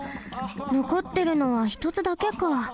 のこってるのはひとつだけか。